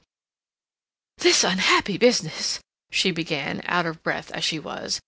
"This unhappy business," she began, out of breath as she was.